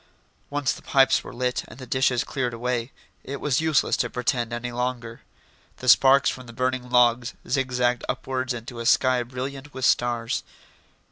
Once the pipes were lit, and the dishes cleared away, it was useless to pretend any longer. The sparks from the burning logs zigzagged upwards into a sky brilliant with stars.